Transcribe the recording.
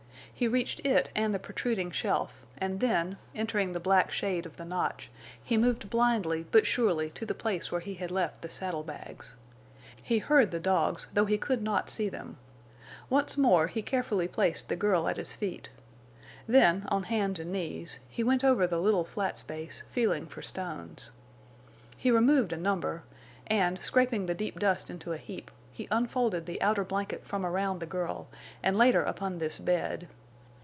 He reached it and the protruding shelf, and then, entering the black shade of the notch, he moved blindly but surely to the place where he had left the saddle bags. He heard the dogs, though he could not see them. Once more he carefully placed the girl at his feet. Then, on hands and knees, he went over the little flat space, feeling for stones. He removed a number, and, scraping the deep dust into a heap, he unfolded the outer blanket from around the girl and laid her upon this bed.